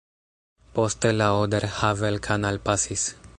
Poste la Oder-Havel-Kanal pasis.